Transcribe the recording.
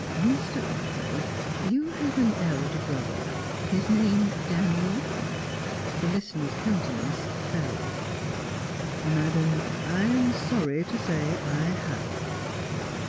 "Mr. Otway, you have an elder brother, his name Daniel." The listener's countenance fell. "Madam, I'm sorry to say I have."